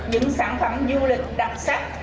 những sản phẩm du lịch đặc sắc